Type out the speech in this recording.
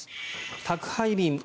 宅配便。